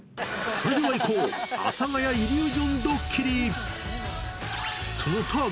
それではいこう、阿佐ヶ谷イリュージョンドッキリ。